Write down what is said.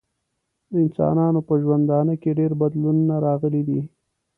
د انسانانو په ژوندانه کې ډیر بدلونونه راغلي دي.